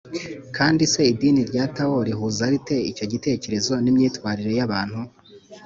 kandi se idini rya tao rihuza rite icyo gitekerezo n’imyitwarire y’abantu?